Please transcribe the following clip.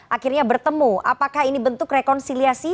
akhirnya bertemu apakah ini bentuk rekonsiliasi